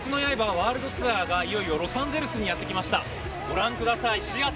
ワールドツアーがいよいよロサンゼルスにやってきました。